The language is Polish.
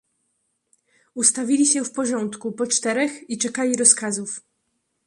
Ustawili się w porządku, po czterech i czekali rozkazów.